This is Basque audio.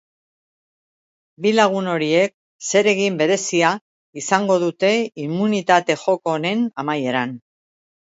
Bi lagun horiek zeregin berezia izango dute immunitate joko honen amaieran.